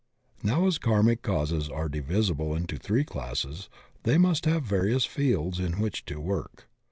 Now as karmic causes are divisible into three classes, they must have various fields in which to work.